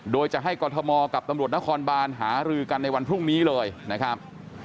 โดยจะให้กรทมกับตำรวจนครบานหารือกันในวันพรุ่งนี้เลยนะครับ